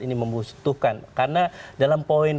ini membutuhkan karena dalam poin